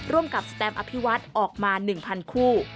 ร่วมกับสแตมอภิวัฒน์ออกมา๑๐๐คู่